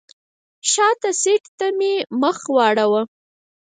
شاته سیټ ته مې مخ واړوه.